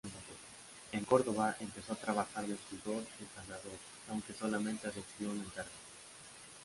En Córdoba empezó a trabajar de escultor y ensamblador, aunque solamente recibió un encargo.